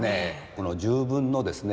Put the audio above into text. この重文のですね